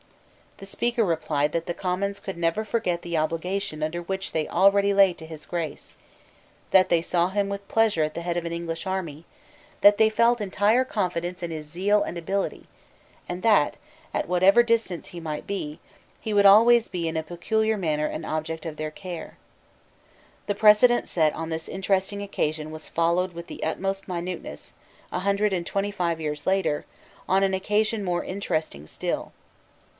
The Speaker replied that the Commons could never forget the obligation under which they already lay to His Grace, that they saw him with pleasure at the head of an English army, that they felt entire confidence in his zeal and ability, and that, at whatever distance he might be, he would always be in a peculiar manner an object of their care. The precedent set on this interesting occasion was followed with the utmost minuteness, a hundred and twenty five years later, on an occasion more interesting still.